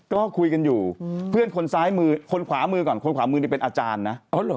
ก็คุยกันอยู่เพื่อนคนซ้ายมือคนขวามือก่อนคนขวามือนี่เป็นอาจารย์นะ